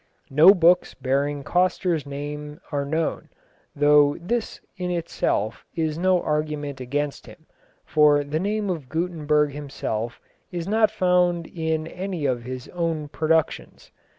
No books bearing Coster's name are known, though this in itself is no argument against him, for the name of Gutenberg himself is not found in any of his own productions.